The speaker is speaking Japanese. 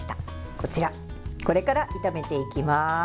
こちら、これから炒めていきます。